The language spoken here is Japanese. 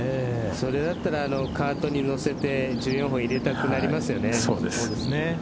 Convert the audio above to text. それだったらカートに乗せて１４本入れたくなりますよね。